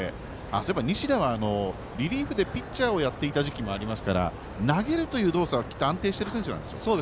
そういえば西田はリリーフでピッチャーをしていた時期もありますから投げるという動作は安定している選手なんでしょうか。